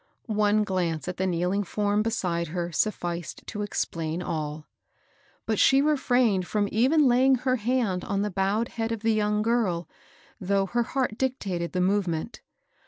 One glance at the kneeling form beside her sufficed to explain all ; but she refrained from even laying her hand on the boif ed head of the young girl, though her heart dictated the movement.